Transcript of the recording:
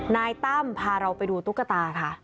นายตั้มพาเราไปดูตุ๊กตาค่ะ